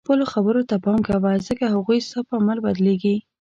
خپلو خبرو ته پام کوه ځکه هغوی ستا په عمل بدلیږي.